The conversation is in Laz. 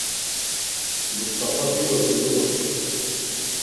Must̆afa dido tzulu ort̆u.